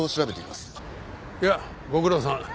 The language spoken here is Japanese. いやご苦労さん。